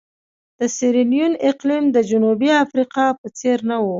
د سیریلیون اقلیم د جنوبي افریقا په څېر نه وو.